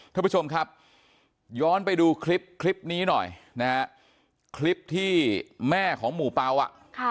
ท่านผู้ชมครับย้อนไปดูคลิปคลิปนี้หน่อยนะฮะคลิปที่แม่ของหมู่เปล่าอ่ะค่ะ